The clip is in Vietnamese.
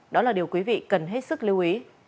đó là điều quý vị cần hết sức lưu ý